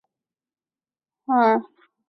马文操神道碑的历史年代为后晋。